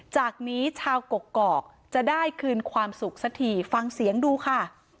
จากนี้ชาวกกอกจะได้คืนความสุขสักทีฟังเสียงดูค่ะ